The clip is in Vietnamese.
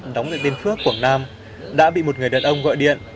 đóng được tên phước quảng nam đã bị một người đàn ông gọi điện